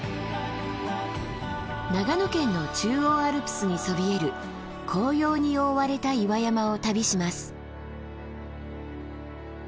長野県の中央アルプスにそびえる紅葉に覆われた岩山を旅します。